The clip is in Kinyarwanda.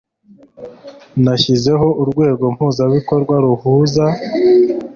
hashyizweho urwego mpuzabikorwa ruhuza